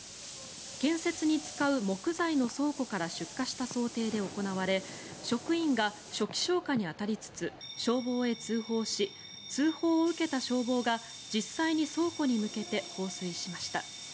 建設に使う木材の倉庫から出火した想定で行われ職員が初期消火に当たりつつ消防へ通報し通報を受けた消防が実際に倉庫に向けて放水しました。